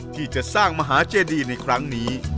ที่จะสร้างมหาเจดีในครั้งนี้